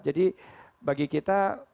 jadi bagi kita bagaimana kita menurut pak prabowo